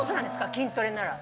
筋トレなら。